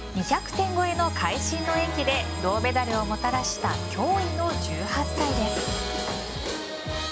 ２００点超えの会心の演技で銅メダルをもたらした驚異の１８歳です。